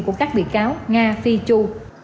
của các bị cáo nga phi chu